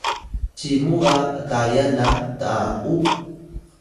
cimu ga atayan na Ta’u?